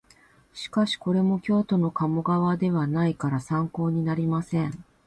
しかしこれも京都の鴨川ではないから参考になりません